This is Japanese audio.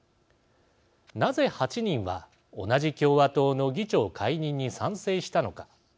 なぜ、８人は同じ共和党の議長解任に賛成したのか。